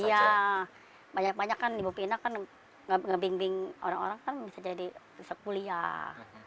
iya banyak banyak kan ibu vina kan nge bimbing orang orang kan bisa jadi sekuliah